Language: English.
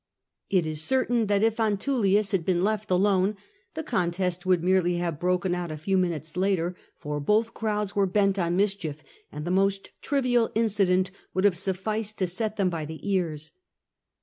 It is certain that if Antullius had been left alone, the contest would merely have broken out a few minutes later, for both crowds were bent on mischief, and the most trivial incident would have sufficed to set them by the ears.